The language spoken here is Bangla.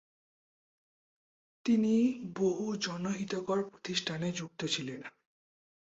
তিনি বহু জনহিতকর প্রতিষ্ঠানে যুক্ত ছিলেন।